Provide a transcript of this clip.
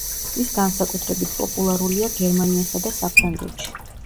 ის განსაკუთრებით პოპულარულია გერმანიასა და საფრანგეთში.